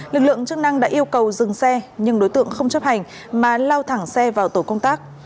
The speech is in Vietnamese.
lực lượng chức năng đã yêu cầu dừng xe nhưng đối tượng không chấp hành mà lao thẳng xe vào tổ công tác